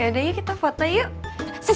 yaudah yuk kita foto yuk